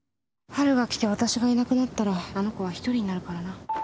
春がきて私がいなくなったらあの子は１人になるからな。